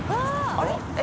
あれ？